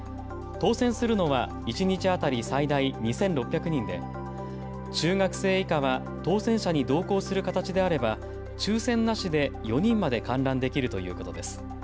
当せんするのは一日当たり最大２６００人で中学生以下は当せん者に同行する形であれば抽選なしで４人まで観覧できるということです。